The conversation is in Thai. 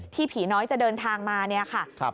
ผีน้อยจะเดินทางมาเนี่ยค่ะ